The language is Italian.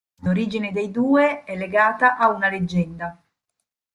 L'origine dei due è legata a una leggenda.